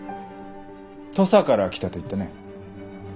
「土佐から来た」と言ったね？